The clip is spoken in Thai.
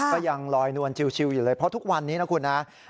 ก็ยังลอยนวลชิวอยู่เลยเพราะทุกวันนี้นะคุณนะ